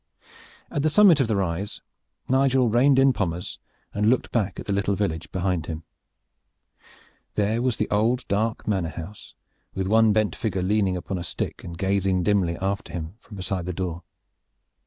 At the summit of the rise Nigel reined in Pommers and looked back at the little village behind him. There was the old dark manor house, with one bent figure leaning upon a stick and gazing dimly after him from beside the door.